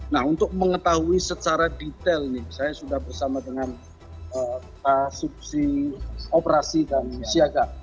nah untuk mengetahui secara detail nih saya sudah bersama dengan subsidi operasi dan siaga